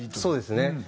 そうですね。